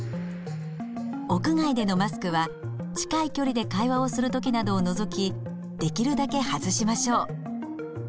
屋外でのマスクは近い距離で会話をする時などを除きできるだけ外しましょう。